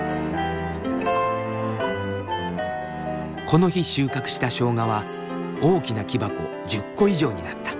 この日収穫したしょうがは大きな木箱１０個以上になった。